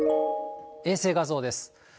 衛星画像です。